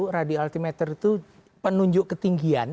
radio altimeter itu penunjuk ketinggian